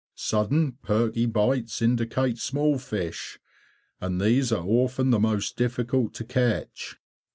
Sudden perky bites indicate small fish, and these are often the most difficult to catch.